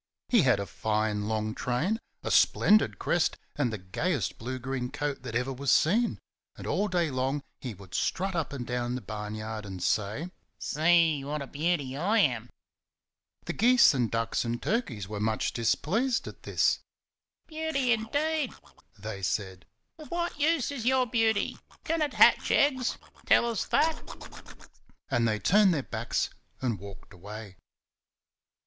He had a fine long train, a splendid crest, and the gayest blue green coat that ever was seen; and all day long he would strut up and down the barnyard and say: "See what a beauty I am!" The geese and ducks and turkeys were much displeased at this. "Beauty, indeed!" they said. "Of what use is your beauty? Can it hatch eggs? Tell us that!" and they turned their backs and walked away.